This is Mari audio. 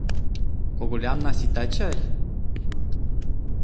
Когылянна сита чай?